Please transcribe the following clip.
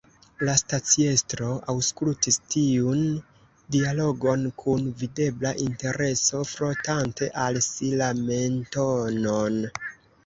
La staciestro aŭskultis tiun dialogon kun videbla intereso, frotante al si la mentonon.